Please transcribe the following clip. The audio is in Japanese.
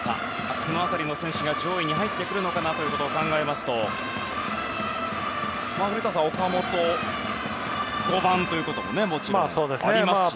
この辺りの選手が上位に入ってくるのかを考えますと岡本が５番というのももちろんありますしね。